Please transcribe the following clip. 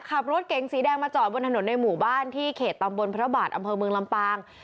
ขับมุรดเก่งสีแดงมาจอดบนถนนในหมู่บ้านที่เขตตำบลพฤตบาทมลำปาง